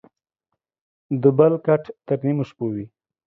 دبل کټ تر نيمو شپو وى.